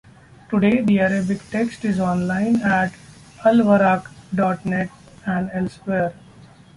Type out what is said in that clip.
Today the Arabic text is online at AlWaraq dot net and elsewhere.